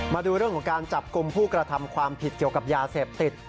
มาดูเรื่องของการจับกลุ่มผู้กระทำความผิดเกี่ยวกับยาเสพติด